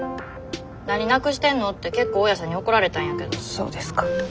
何なくしてんのって結構大家さんに怒られたんやけど。